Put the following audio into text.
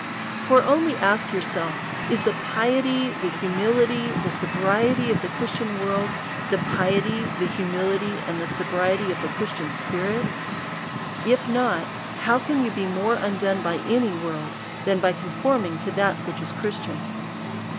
For only ask yourself. Is the piety, the humility, the sobriety of the Christian world, the piety, the humili ty, and sobriety of the Christian spirit? If not, how can you be more undone by any world, than by con forming to that which is Christian